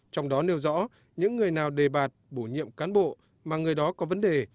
trong đó nêu rõ những người nào đề bạt bổ nhiệm cán bộ mà người đó có vấn đề